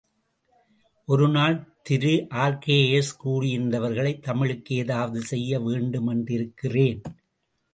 ஒருநாள் திருஆர்.கே.எஸ், கூடியிருந்தவர்களை தமிழுக்கு ஏதாவது செய்ய வேண்டுமென்றிருக்கிறேன்.